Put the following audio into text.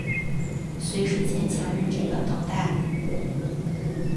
随时坚强认真的等待